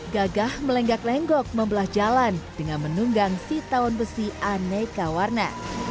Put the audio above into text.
gagah melenggak lenggok membelah jalan dengan menunggang sitaun besi aneka warna